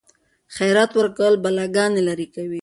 خیرات ورکول بلاګانې لیرې کوي.